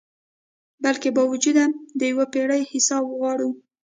بلکي باوجود د یو پیړۍ حساب غواړو